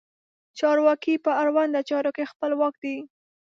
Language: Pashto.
چارواکي په اړونده چارو کې خپلواک دي.